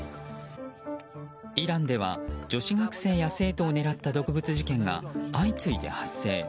イランでは女子学生や生徒を狙った毒物事件が相次いで発生。